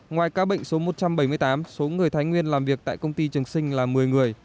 ngoài ca bệnh số một trăm bảy mươi tám số người thái nguyên làm việc tại công ty trường sinh là một mươi người